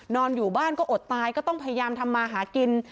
อยู่บ้านก็อดตายก็ต้องพยายามทำมาหากิน